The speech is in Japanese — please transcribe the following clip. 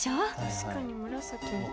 確かに紫みたい。